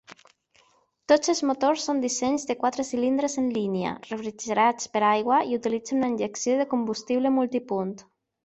Tots els motors són dissenys de quatre cilindres en línia, refrigerats per aigua i utilitzen una injecció de combustible multipunt.